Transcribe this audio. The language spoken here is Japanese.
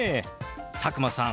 佐久間さん